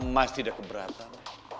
mas tidak keberatan